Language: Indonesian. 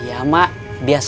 termasuk makam juga sudah bersih